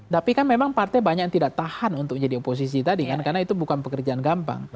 tapi kan memang partai banyak yang tidak tahan untuk jadi oposisi tadi kan karena itu bukan pekerjaan gampang